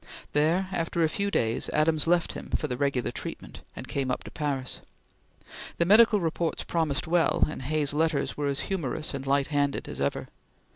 There, after a few days, Adams left him for the regular treatment, and came up to Paris. The medical reports promised well, and Hay's letters were as humorous and light handed as ever.